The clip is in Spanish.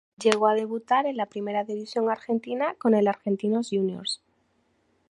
Llegó a debutar en la Primera División Argentina con el Argentinos Juniors.